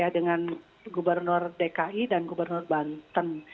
dengan gubernur dki dan gubernur banten